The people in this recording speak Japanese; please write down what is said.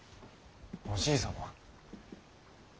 おじい様！